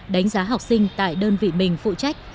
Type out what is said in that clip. đánh giá học sinh tại đơn vị mình phụ trách